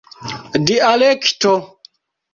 dialekto